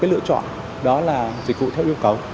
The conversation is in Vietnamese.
lựa chọn đó là dịch vụ theo yêu cầu